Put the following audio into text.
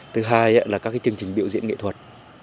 thứ hai là các chương trình biểu diễn nghệ thuật